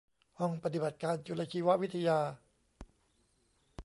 ห้องปฏิบัติการจุลชีววิทยา